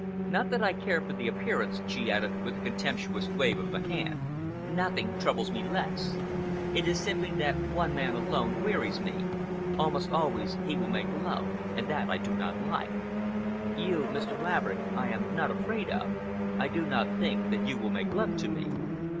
Not that I care for the appearance," she added, with a contemptuous wave of the hand. "Nothing troubles me less. It is simply that one man alone wearies me. Almost always he will make love, and that I do not like. You, Mr. Laverick, I am not afraid of. I do not think that you will make love to me."